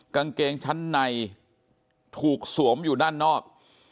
กางเกงชั้นในถูกสวมอยู่ด้านนอก